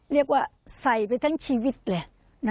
เรียกว่าใส่ไปทั้งชีวิตเลย